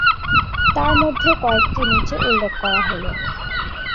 তার মধ্যে কয়েকটি নিচে উল্লেখ করা হলো